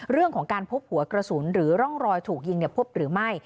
เรื่องของการพบหัวกระสุนหรือร่องรอยถูกยิงพบหรือไม่